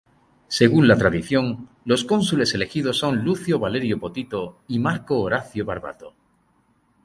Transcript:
Según la tradición, los cónsules elegidos son Lucio Valerio Potito, y Marco Horacio Barbato.